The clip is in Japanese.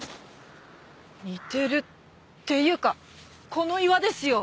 似てるっていうかこの岩ですよ！